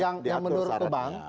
yang menurutku bang